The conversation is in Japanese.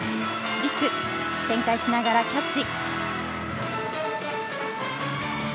リスク、転回しながらキャッチ。